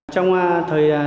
trong thời gian